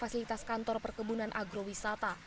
fasilitas kantor perkebunan agrowisata